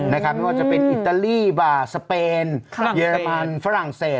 ไม่งั้นจะเป็นอิตาลีบาสเปนเยอร์รับันฝรั่งเศส